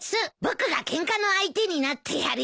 僕がケンカの相手になってやるよ。